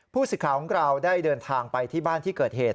สิทธิ์ของเราได้เดินทางไปที่บ้านที่เกิดเหตุ